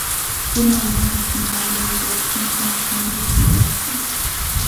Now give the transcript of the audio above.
Энэ хоёр хариулт нь чанарын хувьд адилхан ч тун хөнгөн хийсвэр хариулт юм.